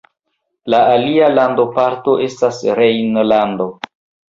La alia landoparto estas Rejnlando.